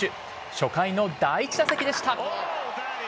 初回の第１打席でした。